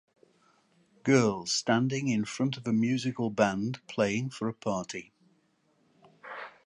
Girl standing in front of a musical band playing for a party.